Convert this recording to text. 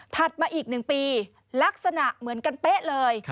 ถัดมาอีกหนึ่งปีลักษณะเหมือนกันเป๊ะเลย